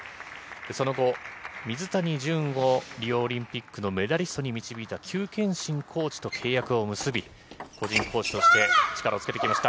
その後、水谷隼をリオオリンピックに導いた邱建新コーチと契約を結び個人コーチとして力をつけてきました。